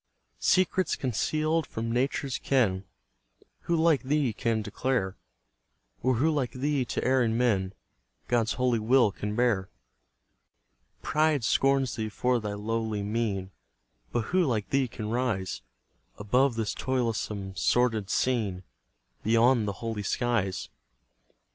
Secrets conceal'd from Nature's ken, Who like thee can declare? Or who like thee to erring men God's holy will can bear? Pride scorns thee for thy lowly mien, But who like thee can rise Above this toilsome, sordid scene, Beyond the holy skies?